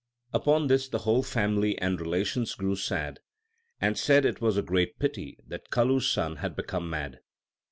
Upon this the whole family and relations grew sad, and said it was a great pity that Kalu s son had become mad.